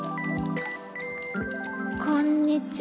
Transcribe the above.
「こんにちは。